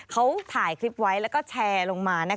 เขาถ่ายคลิปไว้แล้วก็แชร์ลงมา